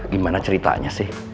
gimana ceritanya sih